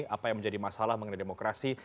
apa yang menjadi masalah mengenai demokrasi